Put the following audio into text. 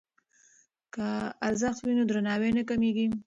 که ارزښت وي نو درناوی نه کمېږي.